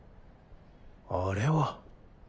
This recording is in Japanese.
あれは。